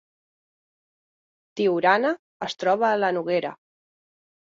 Tiurana es troba a la Noguera